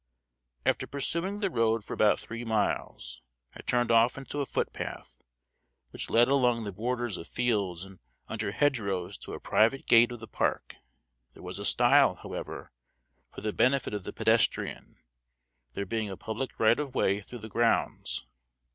After pursuing the road for about three miles, I turned off into a footpath, which led along the borders of fields and under hedgerows to a private gate of the park; there was a stile, however, for the benefit of the pedestrian, there being a public right of way through the grounds.